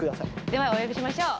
ではお呼びしましょう。